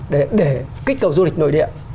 để kích cầu du lịch nội địa